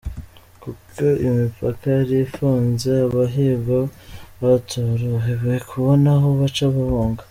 Kuko imipaka yari ifunze, abahigwa batorohewe kubona aho baca bahunga ».